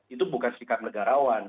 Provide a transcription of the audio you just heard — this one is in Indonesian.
itu bukan sikap negarawan